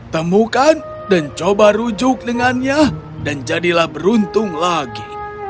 temukan dan coba rujuk dengannya dan jadilah beruntung lagi